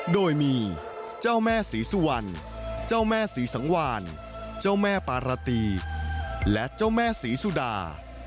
โดยมีแม่สีสุวรรณสีสังวานปราตรีและสีซุดา